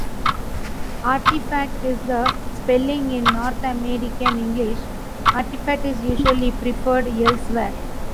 "Artifact" is the spelling in North American English; "artefact" is usually preferred elsewhere.